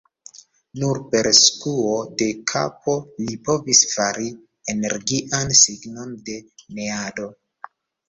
Nur per skuo de kapo li povis fari energian signon de neado.